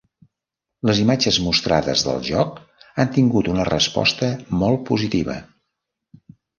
Les imatges mostrades del joc han tingut una resposta molt positiva.